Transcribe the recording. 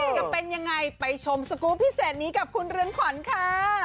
จะเป็นยังไงไปชมสกรูปพิเศษนี้กับคุณเรืองขวัญค่ะ